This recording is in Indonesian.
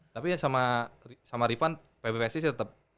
tapi ya sama rifan pbvsc sih tetap